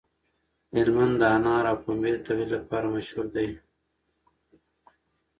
هلمند د انارو او پنبې د تولید لپاره مشهور دی.